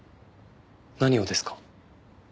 何をですか？